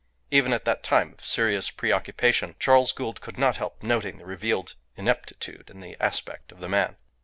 Even at that time of serious pre occupation Charles Gould could not help noting the revealed ineptitude in the aspect of the man.